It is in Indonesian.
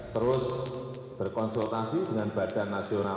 terus berkonsultasi dengan badan nasional